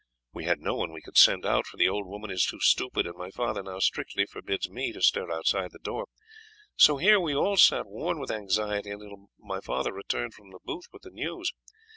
We had no one we could send out, for the old woman is too stupid, and my father now strictly forbids me to stir outside the door. So here we all sat worn with anxiety until my father returned from the booth with the news.